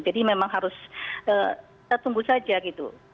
jadi memang harus kita tunggu saja gitu